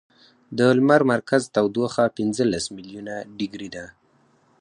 د لمر مرکز تودوخه پنځلس ملیونه ډګري ده.